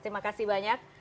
terima kasih banyak